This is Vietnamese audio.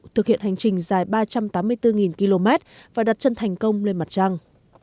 thực hiện hành trình dài ba trăm tám mươi bốn km và đặt chân thành công lên mặt trăng